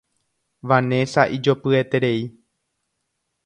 Vanessa ijopyeterei.